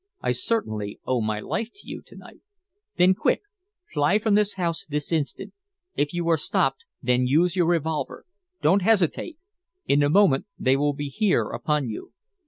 "I certainly owe my life to you to night." "Then quick! Fly from this house this instant. If you are stopped, then use your revolver. Don't hesitate. In a moment they will be here upon you."